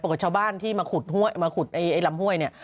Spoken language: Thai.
ปรากฏชาวบ้านที่มาขุดลำห้วยนี่